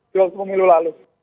di waktu pemilu lalu